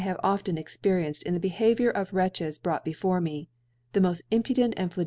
have^ften experienced in the Beha viour of the Wretches brought before me^ the moll impudent and flag.